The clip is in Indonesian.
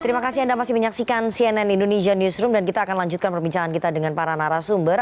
terima kasih anda masih menyaksikan cnn indonesia newsroom dan kita akan lanjutkan perbincangan kita dengan para narasumber